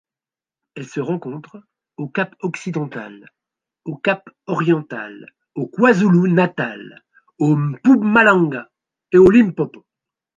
Elle se rencontre au Cap-Occidental, au Cap-Oriental, au KwaZulu-Natal, au Mpumalanga et au Limpopo.